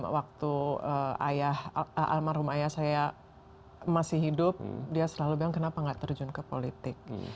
waktu almarhum ayah saya masih hidup dia selalu bilang kenapa nggak terjun ke politik